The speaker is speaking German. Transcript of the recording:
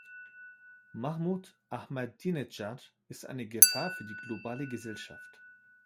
Mahmud Ahmadinedschad ist eine Gefahr für die globale Gesellschaft.